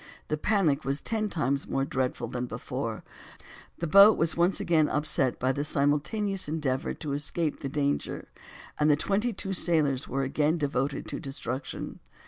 The panic was ten times more dreadful than before; the boat was again upset by the simultaneous endeavor to escape the danger; and the twenty two sailors were again devoted to destruction.